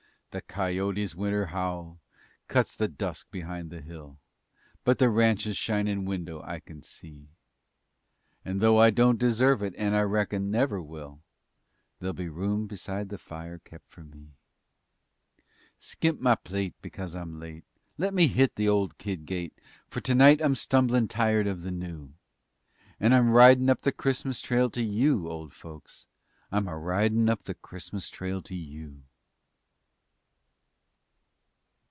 The coyote's Winter howl cuts the dusk behind the hill, But the ranch's shinin' window I kin see, And though I don't deserve it and, I reckon, never will, There'll be room beside the fire kep' for me. Skimp my plate 'cause I'm late. Let me hit the old kid gait, For tonight I'm stumblin' tired of the new And I'm ridin' up the Christmas trail to you, Old folks, I'm a ridin' up the Christmas trail to you.